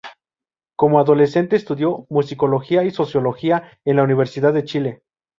Como adolescente estudió Musicología y Sociología en la Universidad de Chile.